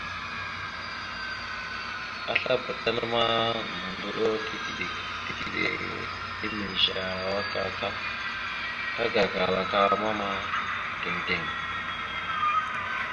Aslabá tan ma gomohəndoɗo tigəɗá emez arawak aak, tagarakal aka mamma gatala tiŋ tiŋ.